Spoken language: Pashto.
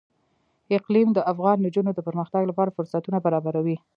اقلیم د افغان نجونو د پرمختګ لپاره فرصتونه برابروي.